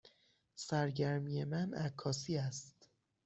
سرگرمی من عکاسی است.